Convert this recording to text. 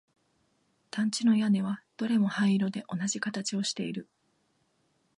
団地の屋根はどれも灰色で同じ形をしている